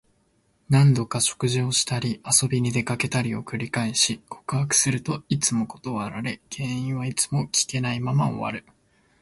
何度か食事をしたり、遊びに出かけたりを繰り返し、告白するといつも断られ、原因はいつも聞けないまま終わる。